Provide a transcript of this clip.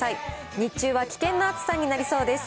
日中は危険な暑さになりそうです。